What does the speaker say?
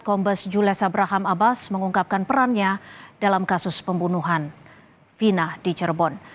kombes jules abraham abbas mengungkapkan perannya dalam kasus pembunuhan fina di cirebon